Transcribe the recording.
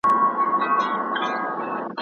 په وروسته پاته هېوادونو کي د پانګي مؤلدېت کم وي.